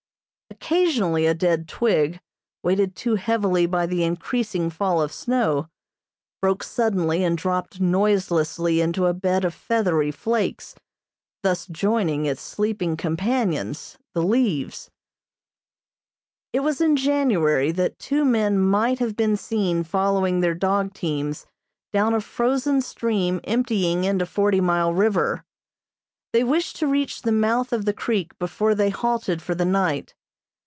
Occasionally a dead twig, weighted too heavily by the increasing fall of snow, broke suddenly and dropped noiselessly into a bed of feathery flakes, thus joining its sleeping companions, the leaves. [Illustration: ON BONANZA CREEK.] It was in January that two men might have been seen following their dog teams down a frozen stream emptying into Forty Mile River. They wished to reach the mouth of the creek before they halted for the night.